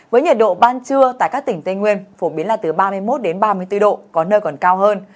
với nhiệt độ ban trưa tại các tỉnh tây nguyên phổ biến là từ ba mươi một đến ba mươi bốn độ có nơi còn cao hơn